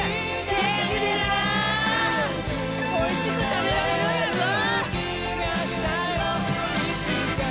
おいしく食べられるんやぞ！